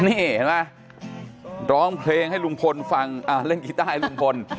นี่เห็นไหมร้องเพลงให้ลุงพลฟังเล่นกีต้าให้ลุงพล